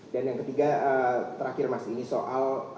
dan yang ketiga terakhir mas ini soal isu politik begitu